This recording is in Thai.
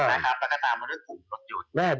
ก็ตามกันด้วยถุงพลตยุทธิ์